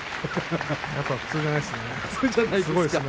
やっぱり普通じゃないですね。